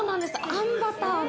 あんバターの。